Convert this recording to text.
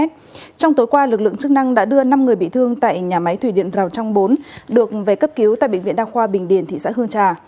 trong tối qua lực lượng chức năng đã đưa năm người bị thương tại nhà máy thủy điện rào trăng bốn được về cấp cứu tại bệnh viện đa khoa bình điền thị xã hương trà